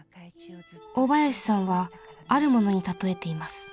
大林さんはあるものに例えています。